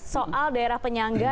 soal daerah penyangga